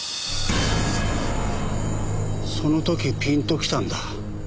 その時ピンと来たんだ。